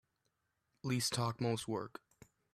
Least talk most work.